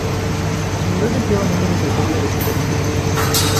Las unidades llevan números de serie de cinco dígitos.